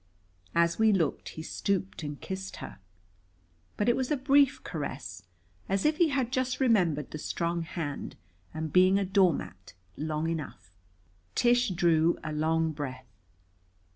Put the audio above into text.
As we looked he stooped and kissed her. But it was a brief caress, as if he had just remembered the strong hand and being a doormat long enough. Tish drew a long breath.